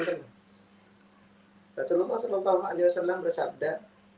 rasulullah saw bersabda